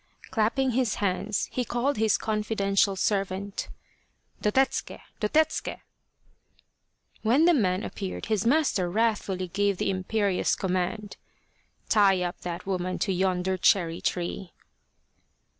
Clapping his hands, he called his confiden tial servant :" Dotetsuke ! Dotetsuke !" When the man appeared his master wrathfully gave the imperious command :" Tie up that woman to yonder cherry tree."